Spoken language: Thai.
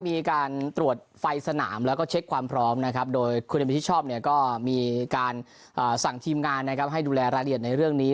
มีการตรวจไฟสนามและเช็คความพร้อมโดยคุณผู้ชมมีการสั่งทีมงานให้ดูแลรายละเอียดในเรื่องนี้